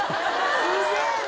すげぇな！